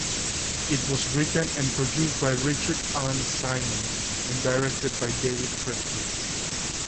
It was written and produced by Richard Alan Simmons and directed by David Friedkin.